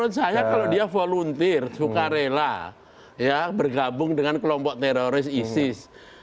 menurut saya kalau dia volunteer suka rela bergabung dengan kelompok teroris isis